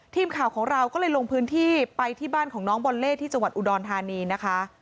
ทีมข่าวของเราก็เลยลงพื้นที่ไปที่บ้านของน้องบอลเล่ที่จังหวัดอุดรธานีนะคะ